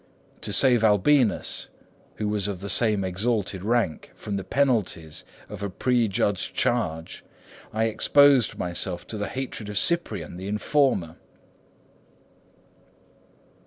To save Albinus, who was of the same exalted rank, from the penalties of a prejudged charge, I exposed myself to the hatred of Cyprian, the informer.